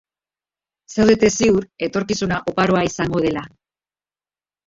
Zaudete ziur etorkizuna oparoa izango dela.